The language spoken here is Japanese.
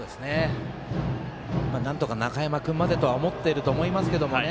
なんとか中山君までとは思っていると思いますけどね。